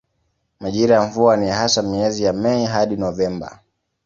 Majira ya mvua ni hasa miezi ya Mei hadi Novemba.